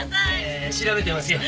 ええ調べてますよ。